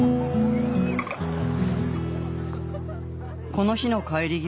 この日の帰り際